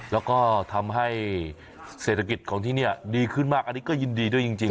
แล้วก็ทำให้เศรษฐกิจของที่นี่ดีขึ้นมากอันนี้ก็ยินดีด้วยจริง